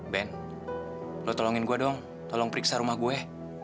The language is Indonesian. ben lo tolongin gue dong tolong periksa rumah gue